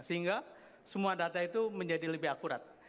sehingga semua data itu menjadi lebih akurat